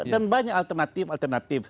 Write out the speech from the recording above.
dan banyak alternatif alternatif